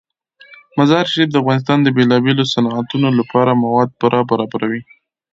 مزارشریف د افغانستان د بیلابیلو صنعتونو لپاره مواد پوره برابروي.